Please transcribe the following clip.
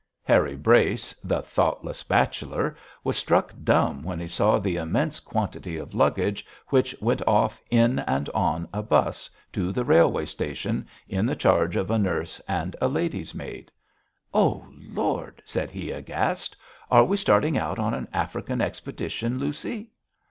Harry Brace, the thoughtless bachelor, was struck dumb when he saw the immense quantity of luggage which went off in and on a bus to the railway station in the charge of a nurse and a lady's maid. 'Oh, Lord!' said he, aghast, 'are we starting out on an African expedition, Lucy?'